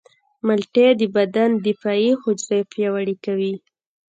مالټې د بدن دفاعي حجرې پیاوړې کوي.